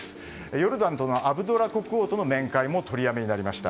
ヨルダンとのアブドラ国王との面会も取りやめになりました。